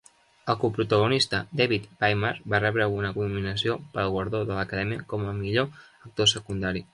El coprotagonista David Paymer va rebre una nominació per al guardó de l'Acadèmia com a millor actor secundari.